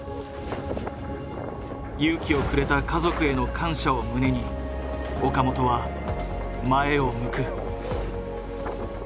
勇気をくれた家族への感謝を胸に岡本は前を向く。